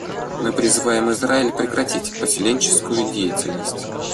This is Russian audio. Мы призываем Израиль прекратить поселенческую деятельность.